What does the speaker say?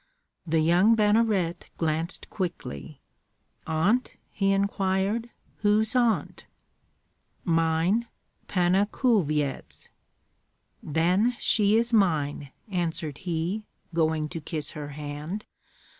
The young banneret glanced quickly. "Aunt?" he inquired, "whose aunt?" "Mine, Panna Kulvyets." "Then she is mine!" answered he, going to kiss her hand.